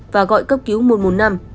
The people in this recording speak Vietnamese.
và gọi cấp cứu một trăm một mươi năm